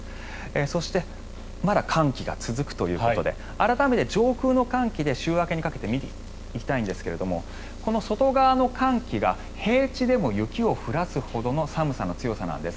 そしてまだ寒気が続くということで改めて上空の寒気週明けにかけて見ていきたいんですがこの外側の寒気が平地でも雪を降らすほどの寒さの強さなんです。